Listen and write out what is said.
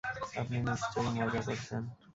আপনি নিশ্চয়ই মজা করছেন!